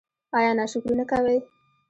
ایا ناشکري نه کوئ؟